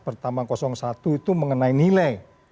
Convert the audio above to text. pertama satu itu mengenai nilai